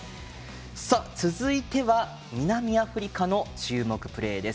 続いては南アフリカの注目プレーです。